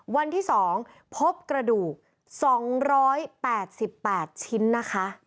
วันที่๒พบกระดูก๒๘๘ชิ้นนะคะ